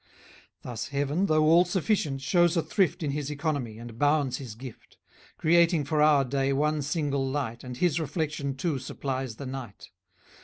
Thus heaven, though all sufficient, shews a thrift In his œconomy, and bounds his gift; Creating for our day one single light, And his reflection too supplies the night.